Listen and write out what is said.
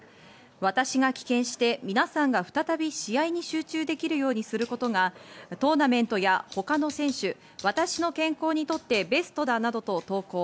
私が棄権して皆さんが再び試合に集中できるようにすることがトーナメントや他の選手、私の健康にとってベストだなどと投稿。